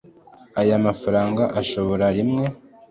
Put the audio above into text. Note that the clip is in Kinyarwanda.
aya mafaranga ashobora rimwe